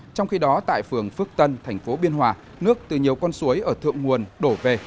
trong khi đó tại phường phước tân thành phố biên hòa nước từ nhiều con suối ở thượng nguồn đổ về